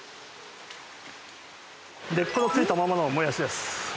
根っこの付いたままのもやしです。